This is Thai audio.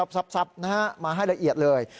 ซับมาให้ละเอียดเลย